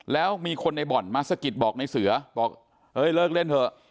แล้วมีคนในบ่อนมาสะกิดบอกในเสือบอกเอ้ยเลิกเล่นเถอะ